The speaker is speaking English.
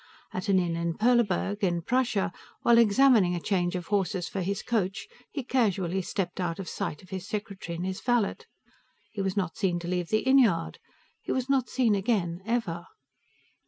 At an inn in Perleburg, in Prussia, while examining a change of horses for his coach, he casually stepped out of sight of his secretary and his valet. He was not seen to leave the inn yard. He was not seen again, ever.